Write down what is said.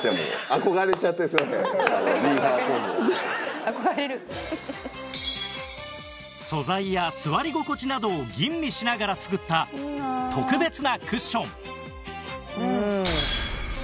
「憧れる」素材や座り心地などを吟味しながら作った特別なクッション